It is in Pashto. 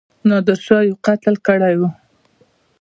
نادرشاه یو قتل کړی وو.